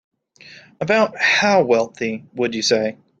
About how wealthy would you say?